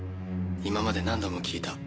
今まで何度も聞いた。